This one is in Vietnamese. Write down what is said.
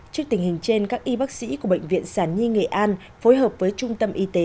trước tình hình trên các y bác sĩ của bệnh viện sản nhi nghệ an phối hợp với trung tâm y tế